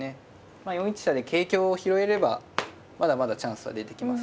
まあ４一飛車で桂香を拾えればまだまだチャンスは出てきますから。